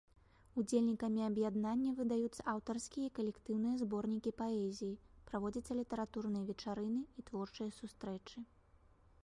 Удзельнікамі аб'яднання выдаюцца аўтарскія і калектыўныя зборнікі паэзіі, праводзяцца літаратурныя вечарыны і творчыя сустрэчы.